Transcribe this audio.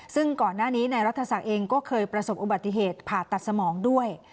ซึ่งก่อนหน้านี้นายรัฐศักดิ์เองก็เคยประสบอุบัติเหตุผ่าตัดสมองด้วย